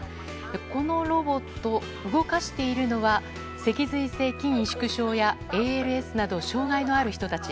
このロボット、動かしているのは脊髄性筋萎縮症やＡＬＳなど障害のある人たち。